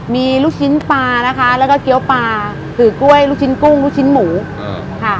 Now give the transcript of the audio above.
มีลูกชิ้นปลานะคะแล้วก็เกี้ยวปลาถือกล้วยลูกชิ้นกุ้งลูกชิ้นหมูค่ะ